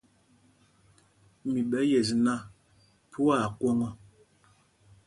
Mi ɓɛ̄ yes nak, phu aa kwoŋ ɔ.